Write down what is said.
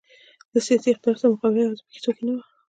له سیاسي اقتدار سره مقابله یوازې په کیسو کې نه وه.